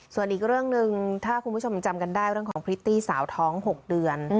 ส่วนอีกเรื่องหนึ่งถ้าคุณผู้ชมจำกันได้เรื่องของพริตตี้สาวท้อง๖เดือน